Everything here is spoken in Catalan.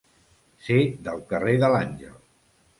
Ser del carrer de l'Àngel.